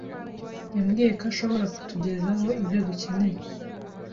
yambwiye ko ashobora kutugezaho ibyo dukeneye.